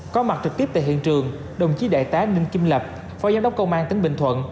có mặt trực tiếp tại hiện trường đồng chí đại tá ninh kim lập phó giám đốc công an tỉnh bình thuận